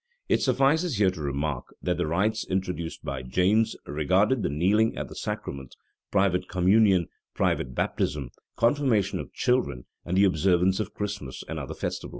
It suffices here to remark, that the rites introduced by James regarded the kneeling at the sacrament, private communion, private baptism, confirmation of children, and the observance of Christmas and other festivals.